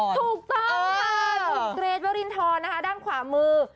ถูกต้องค่ะเกรดเวอรินทรนะคะด้านขวามือ